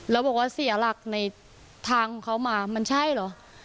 แล้วบอกว่าเสียหลักในทางของเขามามันใช่เหรอ